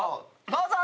どうぞ！